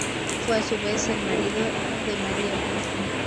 Fue a su vez el marido de María Busto.